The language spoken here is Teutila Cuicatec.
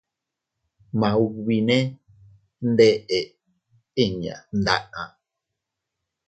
Maubinne ndeʼe inña mdaʼa.